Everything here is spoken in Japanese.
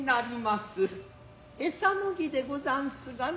餌の儀でござんすがね。